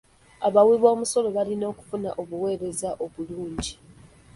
Abawiboomusolo balina okufuna obuweereza obulungi.